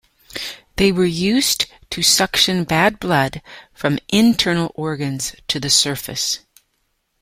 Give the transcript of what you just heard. They were used to suction "bad blood" from internal organs to the surface.